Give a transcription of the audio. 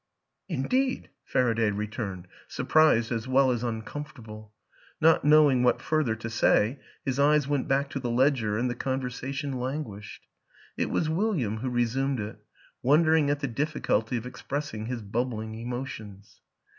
"Indeed!" Faraday returned, surprised as well as uncomfortable. Not knowing what fur ther to say, his eyes went back to the ledger and the conversation languished. It was William who resumed it wondering at the difficulty of expressing his bubbling emotions.